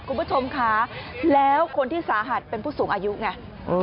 คุณผู้ชมค่ะแล้วคนที่สาหัสเป็นผู้สูงอายุไง